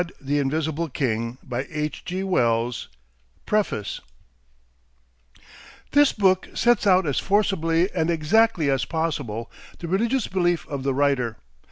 THE IDEA OF A CHURCH THE ENVOY PREFACE This book sets out as forcibly and exactly as possible the religious belief of the writer.